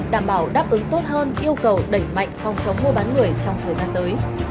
đảm bảo đáp ứng tốt hơn yêu cầu đẩy mạnh phòng chống mua bán người trong thời gian tới